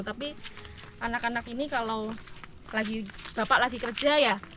tapi anak anak ini kalau bapak lagi kerja ya